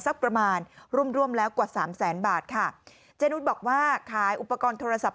สักประมาณร่วมร่วมแล้วกว่าสามแสนบาทค่ะเจนุสบอกว่าขายอุปกรณ์โทรศัพท์